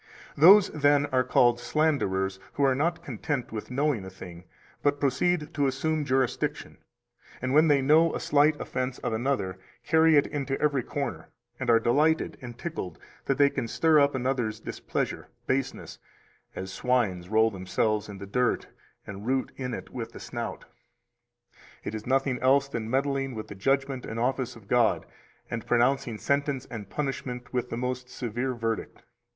267 Those, then, are called slanderers who are not content with knowing a thing, but proceed to assume jurisdiction, and when they know a slight offense of another, carry it into every corner, and are delighted and tickled that they can stir up another's displeasure [baseness], as swine roll themselves in the dirt and root in it with the snout. 268 This is nothing else than meddling with the judgment and office of God, and pronouncing sentence and punishment with the most severe verdict.